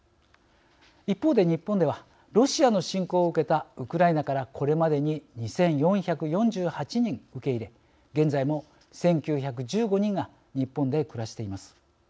一方で日本ではロシアの侵攻を受けたウクライナからこれまでに２，４４８人受け入れ現在も１，９１５人が日本で暮らしています。